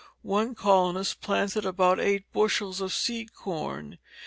One colonist planted about eight bushels of seed corn.